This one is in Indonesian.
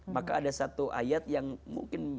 maka ada satu ayat yang mungkin